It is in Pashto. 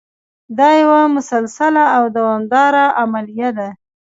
دا یوه مسلسله او دوامداره عملیه ده.